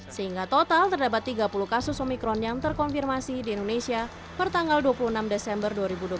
sehingga total terdapat tiga puluh kasus omikron yang terkonfirmasi di indonesia pertanggal dua puluh enam desember dua ribu dua puluh satu